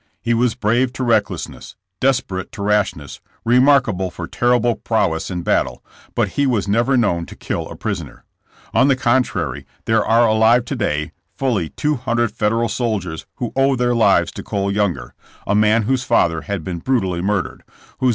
He was brave to recklessness, desperate to rashness, re markable for terrible prowess in battle; but he was never known to kill a prisoner. On the contrary there are alive to day tully two hundred Federal soldiers who owe their lives to Cole Younger, a man whose father had been brutally murdered, whose CLOSING DAYS OF TH^ BORDKR WARFARB.